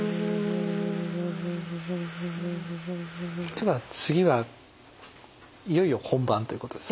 では次はいよいよ本番ということです。